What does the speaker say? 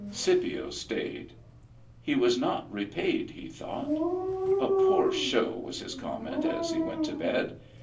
Scipio stayed. He was not repaid, he thought. " A poor show," was his comment as he went to bed.